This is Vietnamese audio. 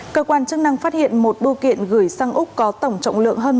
cơ quan chức năng phát hiện một bưu kiện gửi sang úc có tổng trọng lượng hơn một mươi sáu kg